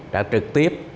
đã trực tiếp